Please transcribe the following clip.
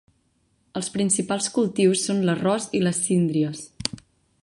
Els principals cultius són l'arròs i les síndries.